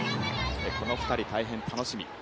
この２人、大変楽しみ。